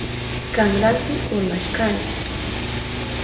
Kanranti urmashkani.